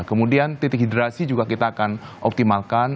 kemudian titik hidrasi juga kita akan optimalkan